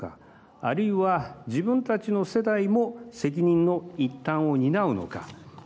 あるいは自分たちの世代も責任の一端を担うのか。